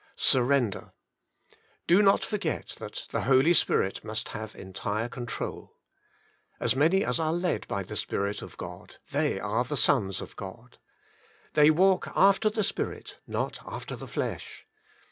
Surrender. Do not forget that the Holy Spirit must have entire control. " As many as are Led by THE Spirit of God they are the sons of God. They Walk after the Spirit, not after the flesh.